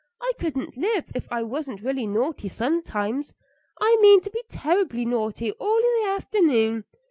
I couldn't live if I wasn't really naughty sometimes. I mean to be terribly naughty all the afternoon.